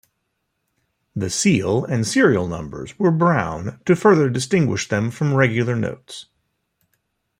The seal and serial numbers were brown to further distinguish them from regular notes.